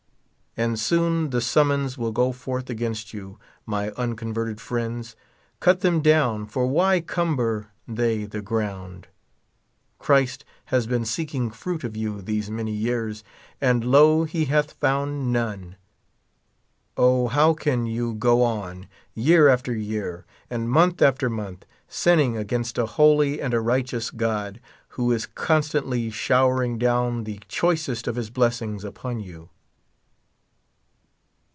And soon the sum mons will go forth against you, m^^ unconverted friends ; cut them down, for why cumber they the ground? Christ has been seeking fruit of 3^ou these manj^ years, and lo, he hath found none. O, how can you go on, year after year, and month after month, sinning against a holy and a righteous God, who is constantl}^ sliowering down the choicest of his blessings upon you?